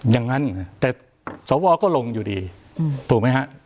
อย่างนั้นแต่สวก็ลงอยู่ดีถูกไหมฮะ